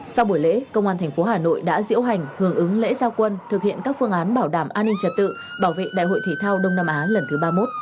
sau buổi lễ công an thành phố hà nội đã diễu hành hưởng ứng lễ giao quân thực hiện các phương án bảo đảm an ninh trật tự bảo vệ đại hội thể thao đông nam á lần thứ ba mươi một